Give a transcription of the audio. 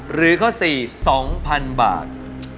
หรือข้อ๔๒๐๐๐บาท